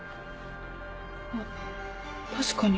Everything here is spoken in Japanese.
あ確かに。